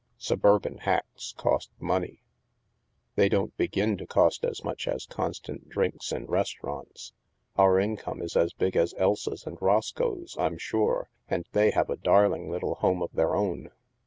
Suburban hacks cost money." "They don't begin to cost as much as constant drinks in restaurants. Our income is as big as Elsa's and Roscoe's, I'm sure, and they have a darling little home of their own."